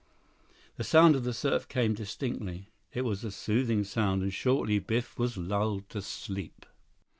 The sound of the surf came distinctly. It was a soothing sound, and shortly Biff was lulled to sleep.